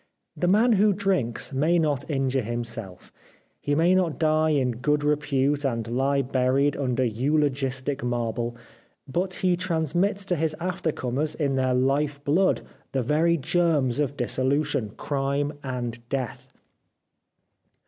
The man who drinks may not injure himself, he may die in good repute and lie buried under eulogistic marble, but he transmits to his aftercomers in their life blood the very germs of dissolution, crime, and death.